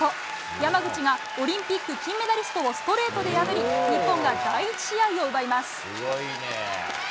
山口がオリンピック金メダリストをストレートで破り日本が第１試合を奪います。